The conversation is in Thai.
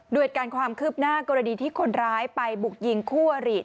เหตุการณ์ความคืบหน้ากรณีที่คนร้ายไปบุกยิงคู่อริ